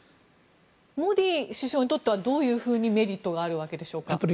モディ首相にとってはどういうふうにメリットがあるわけでしょうか？